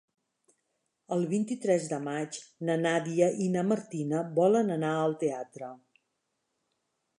El vint-i-tres de maig na Nàdia i na Martina volen anar al teatre.